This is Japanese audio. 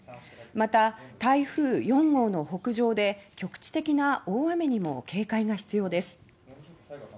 また、台風４号の北上で局地的な大雨にも警戒が必要です